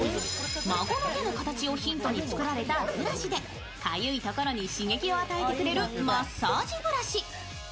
孫の手の形をヒントに作られたブラシでかゆいところに刺激を与えてくれるマッサージブラシ。